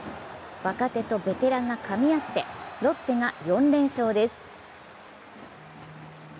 若手とベテランがかみ合ってロッテが４連勝です。